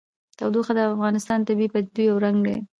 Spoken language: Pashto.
تودوخه د افغانستان د طبیعي پدیدو یو رنګ دی.